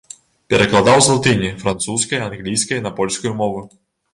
Перакладаў з латыні, французскай, англійскай на польскую мову.